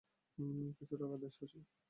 কিছু টাকা দে শশী।